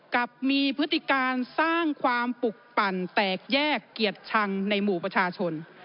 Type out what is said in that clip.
กับมีพฤติการสร้างความปลุกปั่นแตกแยกเกียรติชังในหมู่ประชาชน